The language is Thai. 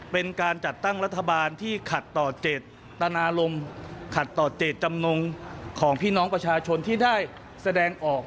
เป็นการจัดตั้งรัฐบาลที่ขัดต่อเจตนารมณ์ขัดต่อเจตจำนงของพี่น้องประชาชนที่ได้แสดงออก